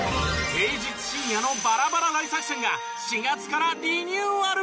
平日深夜のバラバラ大作戦が４月からリニューアル。